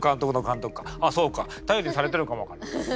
あっそうか頼りにされてるかも分からない。